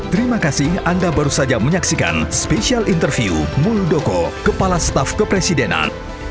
terima kasih anda baru saja menyaksikan spesial interview muldoko kepala staf kepresidenan